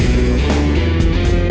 udah bocan mbak